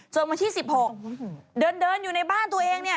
วันที่๑๖เดินอยู่ในบ้านตัวเองเนี่ย